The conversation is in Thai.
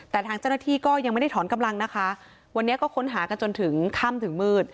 แต่ทางเจ้าหน้าที่ก็ยังไม่ได้ถอนกำลังนะคะวันนี้ก็ค้นหากันจนถึงค่ำถึงมืด